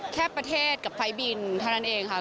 แค่ประเทศกับไฟล์บินเท่านั้นเองค่ะ